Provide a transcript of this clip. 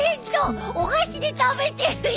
お箸で食べてるよ。